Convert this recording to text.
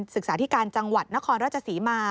ศึกษาธิการจังหวัดนครราชศรีมา